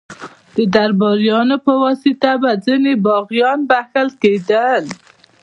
د درباریانو په واسطه به ځینې باغیان بخښل کېدل.